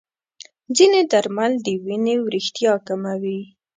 ځینې درمل د وینې وریښتیا کموي.